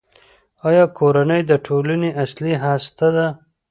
آیا کورنۍ د ټولنې اصلي هسته ده؟